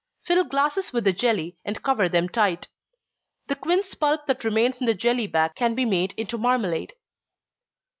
Fill glasses with the jelly, and cover them tight. The quince pulp that remains in the jelly bag can be made into marmalade.